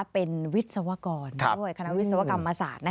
เป็นวิศวกรด้วยคณะวิศวกรรมศาสตร์